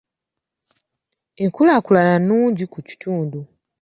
Enkulaakulana nnungi ku kitundu.